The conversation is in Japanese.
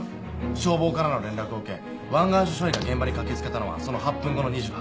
消防からの連絡を受け湾岸署署員が現場に駆け付けたのはその８分後の２８分。